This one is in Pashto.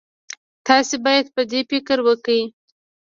تاسې باید پر دې فکر وکړئ.